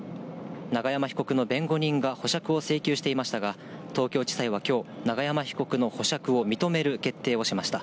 永山被告の弁護人が保釈を請求していましたが、東京地裁はきょう、永山被告の保釈を認める決定をしました。